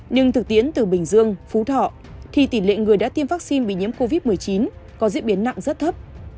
nhưng thực tiến từ bình dương phú thọ thì tỷ lệ người đã tiêm vaccine bị nhiễm covid một mươi chín có diễn biến nặng rất thấp